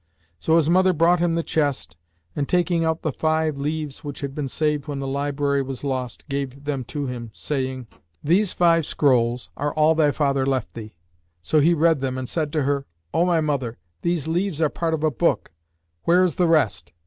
So his mother brought him the chest and, taking out the five leaves which had been saved when the library was lost, gave them to him saying, "These five scrolls are all thy father left thee." So he read them and said to her, "O my mother, these leaves are part of a book: where is the rest?"